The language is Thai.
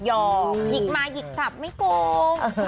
หยิกมาหยิกถับไม่โกรธ